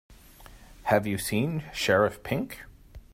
Have you seen Sheriff Pink?